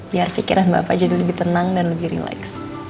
biar pikiran bapak jadi lebih tenang dan lebih rileks